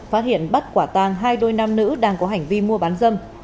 phát hiện bắt quả tàng hai đôi nam nữ đang có hành vi mua bán dâm